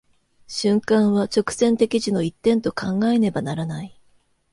瞬間は直線的時の一点と考えねばならない。